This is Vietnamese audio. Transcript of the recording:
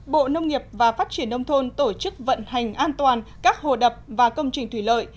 bộ nông nghiệp và phát triển nông thôn tổ chức vận hành an toàn các hồ đập và công trình thủy lợi